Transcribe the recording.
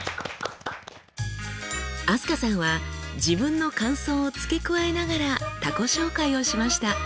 飛鳥さんは自分の感想を付け加えながら他己紹介をしました。